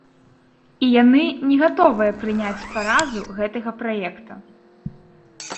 І яны не гатовыя прыняць паразу гэтага праекта.